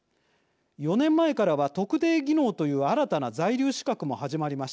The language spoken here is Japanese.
４年前からは特定技能という新たな在留資格も始まりました。